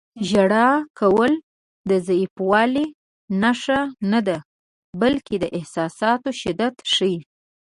• ژړا کول د ضعیفوالي نښه نه ده، بلکې د احساساتو شدت ښيي.